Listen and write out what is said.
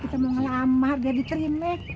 kita mau ngelamar jadi trime